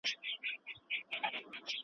د نامعلومو حقیقتونو موندل وخت غواړي.